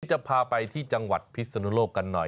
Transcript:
จะพาไปที่จังหวัดพิศนุโลกกันหน่อย